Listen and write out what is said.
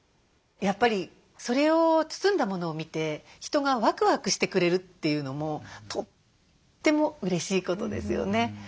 やっぱりそれを包んだものを見て人がワクワクしてくれるっていうのもとってもうれしいことですよね。